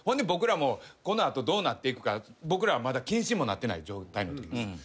僕らもこの後どうなっていくか僕らはまだ謹慎もなってない状態のときです。